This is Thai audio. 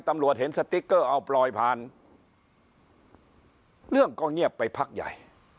ตำรวจเห็นสติ๊กเกอร์เอาปล่อยผ่านเรื่องก็เงียบไปพักใหญ่